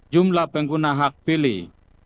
jumlah pengguna hak pilih